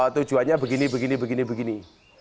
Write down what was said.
tujuannya begini begini begini